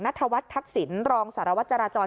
ทวัฒน์ทักษิณรองสารวัตรจราจร